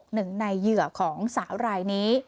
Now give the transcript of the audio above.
หนึ่งในเหยื่อของสาวรายนี้